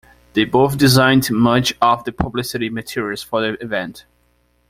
They both designed much of the publicity materials for the event.